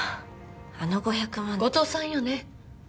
あの５００万って後藤さんよね